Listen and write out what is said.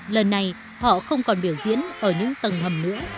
lần này họ không còn biểu diễn ở những tầng hầm nữa